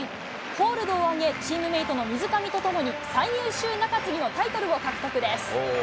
ホールドを挙げ、チームメートの水上とともに、最優秀中継ぎのタイトルを獲得です。